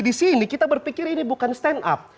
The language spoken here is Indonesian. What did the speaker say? di sini kita berpikir ini bukan stand up